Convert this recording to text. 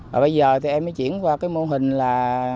và bây giờ thì em mới chuyển qua cái mô hình là